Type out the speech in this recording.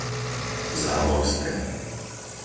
Záborské